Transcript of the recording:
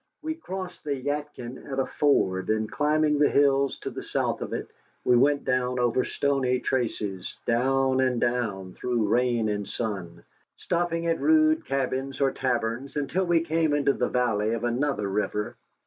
We crossed the Yadkin at a ford, and climbing the hills to the south of it we went down over stony traces, down and down, through rain and sun; stopping at rude cabins or taverns, until we came into the valley of another river.